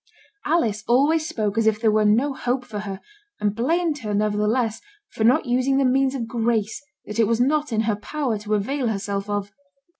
Alice always spoke as if there were no hope for her; and blamed her, nevertheless, for not using the means of grace that it was not in her power to avail herself of.